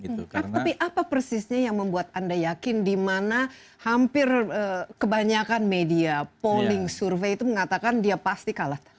tapi apa persisnya yang membuat anda yakin di mana hampir kebanyakan media polling survei itu mengatakan dia pasti kalah